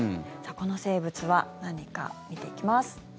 この生物は何か、見ていきます。